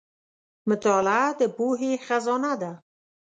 • مطالعه د پوهې خزانه ده.